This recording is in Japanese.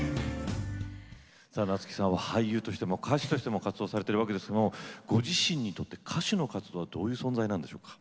夏木さんは俳優としても歌手としても活動されてるわけですけどもご自身にとって歌手の活動はどういう存在なんでしょうか？